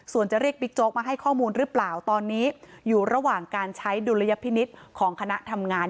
ส่วนจะเรียกบิ๊กโจ๊กมาให้ข้อมูลหรือเปล่าตอนนี้อยู่ระหว่างการใช้ดุลยพินิษฐ์ของคณะทำงาน